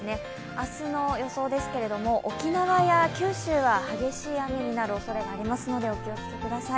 明日の予想ですけども、沖縄や九州は激しい雨になるおそれがありますので、お気をつけください。